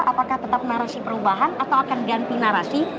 apakah tetap narasi perubahan atau akan ganti narasi